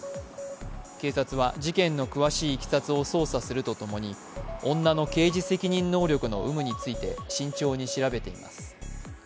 警察は事件の詳しいいきさつを捜査するとともに、女の刑事責任能力の有無について慎重に調べています。